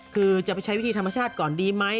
คือจะไปใช้วิธีธรรมชาติก่อนดีไหม